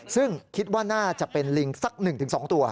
ซึ่งคิดว่าน่าจะเป็นลิงสักหนึ่งถึงสองตัว